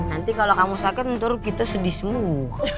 nanti kalau kamu sakit kita sedih semua